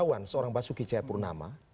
negarawan seorang basuki cahayapurnama